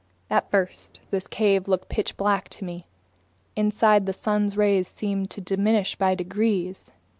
At first this cave looked pitch black to me. Inside, the sun's rays seemed to diminish by degrees.